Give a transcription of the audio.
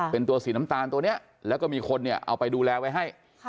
เป็นตัวสีน้ำตาลตัวนี้แล้วก็มีคนเนี่ยเอาไปดูแลไว้ให้